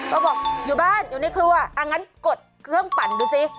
ก็บอกอยู่บ้านอยู่ในครัวอ่างั้นกดเครื่องปั่นดูซิ